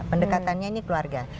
pendekatannya ini keluarga